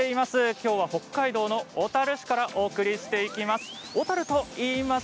きょうは北海道の小樽市からお送りしていきます。